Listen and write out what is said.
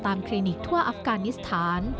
คลินิกทั่วอัฟกานิสถาน